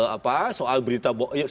apa soal berita bohong